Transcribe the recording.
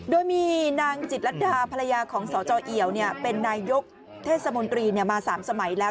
โดยมีนางจิตรัดดาภรรยาของสจเอี่ยวเป็นนายยกเทศมนตรีมา๓สมัยแล้ว